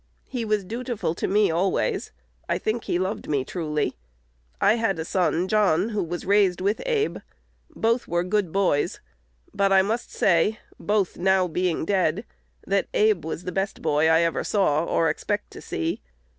"He was dutiful to me always. I think he loved me truly. I had a son, John, who was raised with Abe. Both were good boys; but I must say, both now being dead, that Abe was the best boy I ever saw, or expect to see.